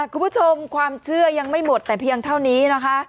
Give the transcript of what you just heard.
คุณผู้ชมความเชื่อยังไม่หมดแต่เพียงเท่านี้นะคะ